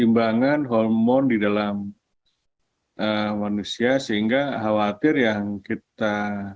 keimbangan hormon di dalam manusia sehingga khawatir yang kita